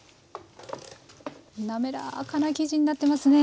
滑らかな生地になってますね。